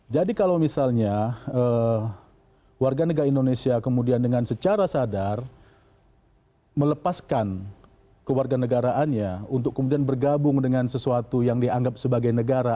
jadi kalau misalnya warga negara indonesia kemudian dengan secara sadar melepaskan kewarga negaraannya untuk kemudian bergabung dengan sesuatu yang dianggap sebagai negara